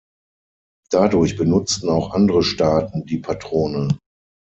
Dadurch benutzten auch andere Staaten die Patrone.